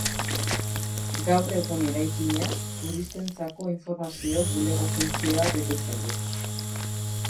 Gaur egun eraikina turistentzako informazio-bulego funtzioa betetzen du.